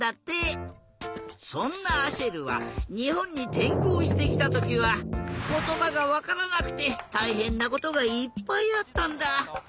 そんなアシェルはにほんにてんこうしてきたときはことばがわからなくてたいへんなことがいっぱいあったんだ。